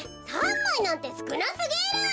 ３まいなんてすくなすぎる。